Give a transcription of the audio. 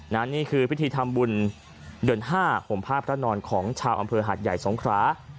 นี่คือพิธีทำบุญเดือน๕ห่มผ้าพระนอนของชาวอำเภอหาดใหญ่สงครา